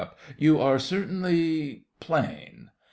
You are certainly plain.